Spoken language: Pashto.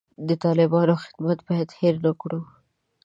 د طالبانو خدمت باید هیر نه کړو.